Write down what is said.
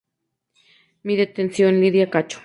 Mi detención, Lydia Cacho.